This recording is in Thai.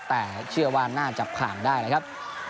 แต่เชื่อว่าน่าจับข่างได้เลยครับ